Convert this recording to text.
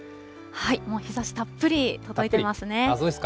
もう日ざしたっぷり届いてますね。